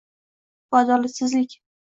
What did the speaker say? Bu adolatsizlik.